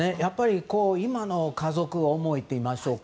今の家族思いといいますか